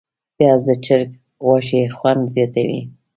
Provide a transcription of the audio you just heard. پیاز د چرګ غوښې خوند زیاتوي